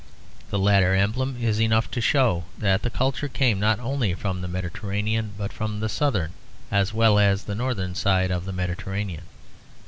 The later emblem is enough to show that the culture came, not only from the Mediterranean, but from the southern as well as the northern side of the Mediterranean.